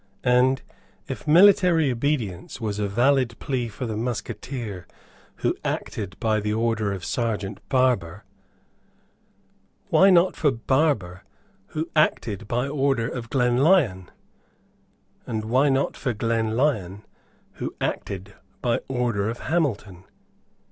And, if military obedience was a valid plea for the musketeer who acted by order of Serjeant Barbour, why not for Barbour who acted by order of Glenlyon? And why not for Glenlyon who acted by order of Hamilton?